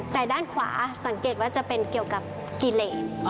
แต่ด้านขวาสังเกตว่าจะเป็นเกี่ยวกับกิเลน